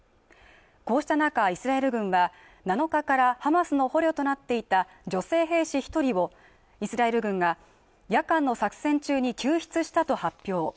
こうした中イスラエル軍は７日からハマスの捕虜となっていた女性兵士一人をイスラエル軍が夜間の作戦中に救出したと発表